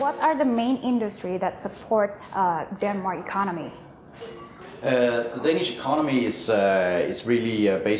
pembelian adalah salah satu